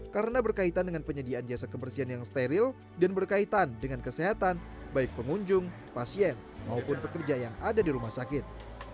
karena berkaitan dengan penyediaan jasa kebersihan yang steril dan berkaitan dengan kesehatan baik pengunjung pasien maupun pekerja yang ada di rumah sakit